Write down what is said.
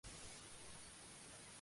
Piensa, por ejemplo, en la adopción.